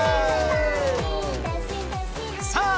さあ！